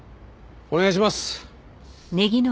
お願いします。